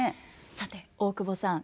さて大久保さん。